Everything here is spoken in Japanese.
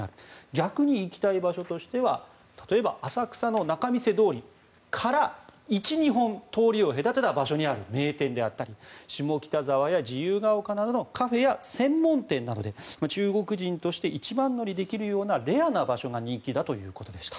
逆に行きたい場所としては例えば浅草の仲見世通りから１２本通りを隔てた名店であったり下北沢や自由が丘のカフェや専門店などで中国人として一番乗りできるようなレアな場所が人気だということでした。